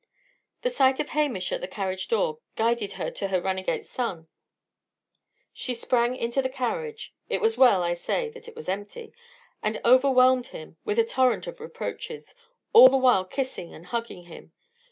The sight of Hamish at a carriage door guided her to her runagate son. She sprang into the carriage it was well, I say, that it was empty! and overwhelmed him with a torrent of reproaches, all the while kissing and hugging him.